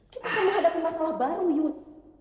kita akan menghadapi masalah baru yud